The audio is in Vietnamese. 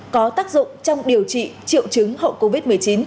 có tác dụng trong điều trị triệu chứng hậu covid một mươi chín